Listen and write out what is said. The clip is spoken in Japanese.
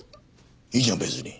いいじゃん別に。